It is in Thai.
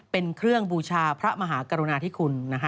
เป็นเครื่องบูชาพระมหากรุณาธิคุณ